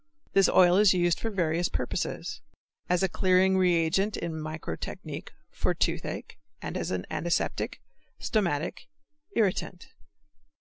This oil is used for various purposes; as a clearing reagent in microtechnique, for toothache, as an antiseptic, stomachic, irritant.